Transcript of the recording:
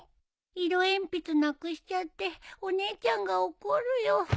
色鉛筆なくしちゃってお姉ちゃんが怒るよ。